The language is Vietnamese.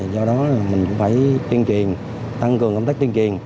do đó mình cũng phải tuyên truyền tăng cường công tác tuyên truyền